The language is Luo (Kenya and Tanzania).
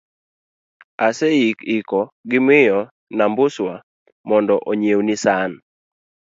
aseiko gi miyo Nambuswa mondo onyiewni san